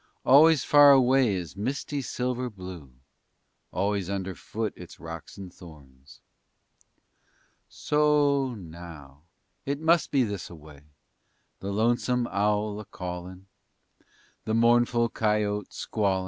Always far away is misty silver blue; Always underfoot it's rocks and thorns. _So o, now. It must be this away _ The lonesome owl a callin', _The mournful coyote squallin'.